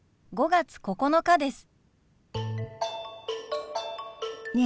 ５月９日です。